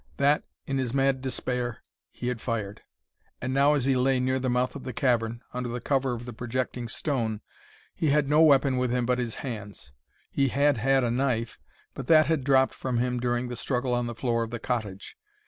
That in his mad despair he had fired; and now, as he lay near the mouth of the cavern, under the cover of the projecting stone, he had no weapon with him but his hands. He had had a knife, but that had dropped from him during the struggle on the floor of the cottage.